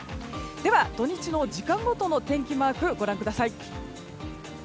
では土日の時間ごとの天気マークご覧ください。